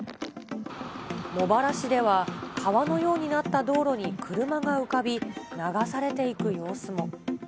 茂原市では川のようになった道路に車が浮かび、流されていく様子も。